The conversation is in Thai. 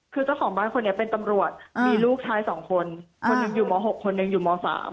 คือเจ้าของบ้านคนนี้เป็นตำรวจมีลูกชาย๒คนคนหนึ่งอยู่ม๖คนหนึ่งอยู่ม๓